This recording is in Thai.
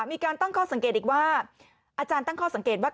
มีการตั้งข้อสังเกตอีกว่าอาจารย์ตั้งข้อสังเกตว่า